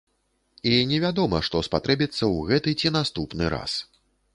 І невядома, што спатрэбіцца ў гэты ці наступны раз.